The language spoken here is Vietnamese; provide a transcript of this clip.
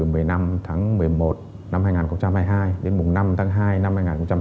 từ một mươi năm tháng một mươi một năm hai nghìn hai mươi hai đến năm tháng hai năm hai nghìn hai mươi bốn